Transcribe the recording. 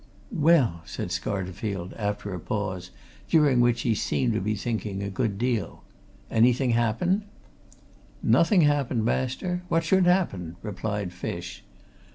"Well?" said Scarterfield, after a pause, during which he seemed to be thinking a good deal. "Anything happen?" "Nothing happened, master what should happen?" replied Fish.